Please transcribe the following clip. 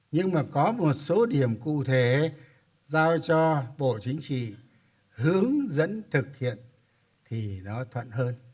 nhưng mà có một số điểm cụ thể giao cho bộ chính trị hướng dẫn thực hiện thì nó thuận hơn